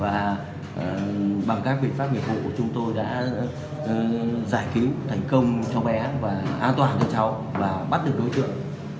và bằng các biện pháp nghiệp vụ của chúng tôi đã giải cứu thành công cháu bé và an toàn cho cháu và bắt được đối tượng